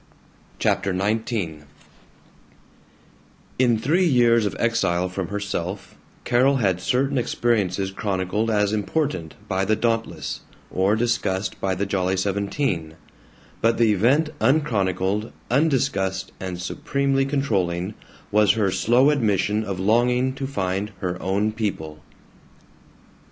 CHAPTER XIX I IN three years of exile from herself Carol had certain experiences chronicled as important by the Dauntless, or discussed by the Jolly Seventeen, but the event unchronicled, undiscussed, and supremely controlling, was her slow admission of longing to find her own people.